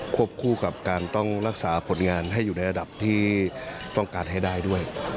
คู่กับการต้องรักษาผลงานให้อยู่ในระดับที่ต้องการให้ได้ด้วย